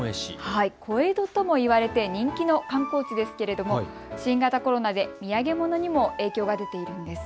小江戸とも言われて人気の観光地ですけれども新型コロナで土産物にも影響が出ているんです。